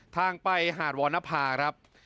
ทางไปหาดวรรณภาครับ